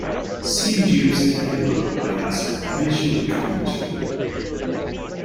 'Seen Jeeves anywhere?' I asked, eventually coming through.